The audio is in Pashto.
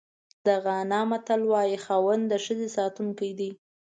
د غانا متل وایي خاوند د ښځې ساتونکی دی.